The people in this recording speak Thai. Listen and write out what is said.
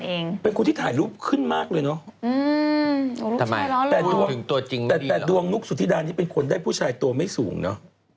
แต่ผู้ชายนี้เป็นคนที่ถ่ายรูปขึ้นมากเลยเนอะแต่ดวงนุ๊กสุธิดานี่เป็นคนได้ผู้ชายตัวไม่สูงเนอะ